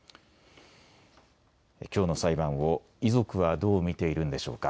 きょうの裁判を遺族はどう見ているんでしょうか。